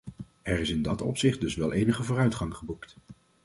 Er is in dat opzicht dus wel enige vooruitgang geboekt.